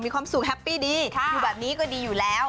มีความสุขแฮปปี้ดีอยู่แบบนี้ก็ดีอยู่แล้ว